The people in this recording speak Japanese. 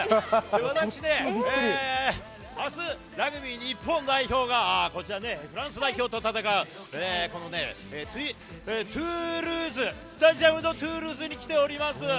私ね、あす、ラグビー日本代表がこちらね、フランス代表と戦う、このトゥールーズ、スタジアム・ド・トゥールーズに来ています。